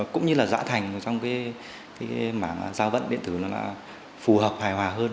cũng như giã thành trong mảng giao vận điện tử phù hợp hài hòa hơn